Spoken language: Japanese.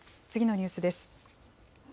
次のニュースです。